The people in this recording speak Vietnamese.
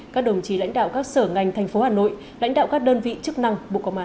các đồng chí lãnh đạo các sở ngành thành phố hà nội lãnh đạo các đơn vị chức năng bộ công an